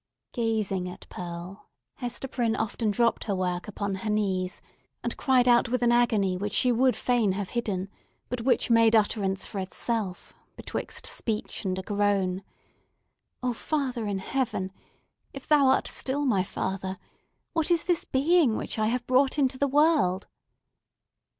Gazing at Pearl, Hester Prynne often dropped her work upon her knees, and cried out with an agony which she would fain have hidden, but which made utterance for itself betwixt speech and a groan—"O Father in Heaven—if Thou art still my Father—what is this being which I have brought into the world?"